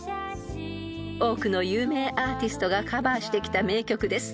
［多くの有名アーティストがカバーしてきた名曲です］